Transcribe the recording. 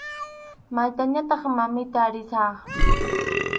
Maytañataq, mamita, risaq.